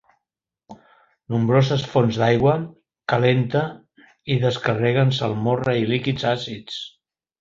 Nombroses fonts d’aigua calenta hi descarreguen salmorra i líquids àcids.